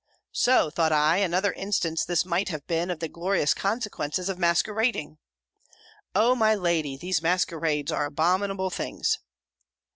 "So!" thought I, "another instance this might have been of the glorious consequences of masquerading." O my lady, these masquerades are abominable things!